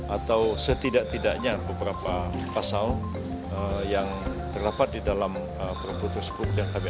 atau setidak tidaknya beberapa pasal yang terdapat di dalam perpu tersebut